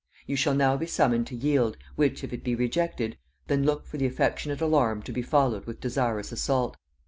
You shall now be summoned to yield, which if it be rejected, then look for the affectionate alarm to be followed with desirous assault.